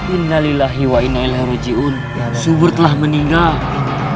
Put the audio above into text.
innalillahi wa inna ilha ruj'iun subur telah meninggal